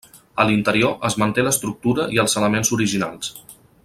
A l'interior es manté l'estructura i els elements originals.